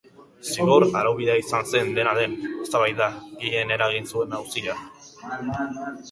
Zigor-araubidea izan zen, dena den, eztabaida gehien eragin zuen auzia.